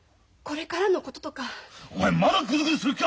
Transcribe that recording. お前まだグズグズする気か！